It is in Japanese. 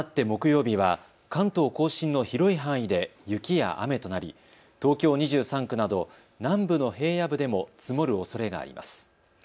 木曜日は関東甲信の広い範囲で雪や雨となり東京２３区など南部の平野部でも積もるおそれがあります。